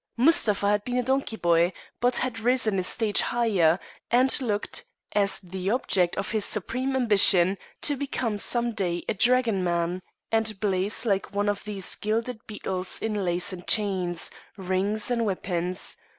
Mustapha had been a donkey boy, but had risen a stage higher, and looked, as the object of his supreme ambition, to become some day a dragoman, and blaze like one of these gilded beetles in lace and chains, rings and weapons.